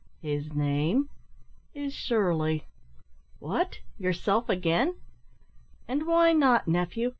"His name is Shirley." "What! yourself again?" "And why not, nephew?